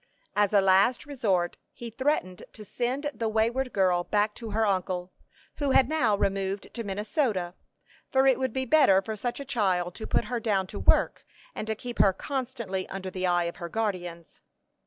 As a last resort, he threatened to send the wayward girl back to her uncle, who had now removed to Minnesota; for it would be better for such a child to put her down to hard work, and to keep her constantly under the eye of her guardians.